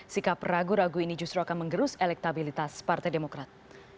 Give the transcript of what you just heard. sikap ragu ragu ini justru akan menggerus elektabilitas partai demokrat